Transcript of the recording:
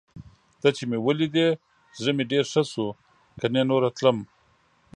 ته مې چې ولیدې، زړه مې ډېر ښه شو. کني نوره تلم.